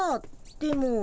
でも。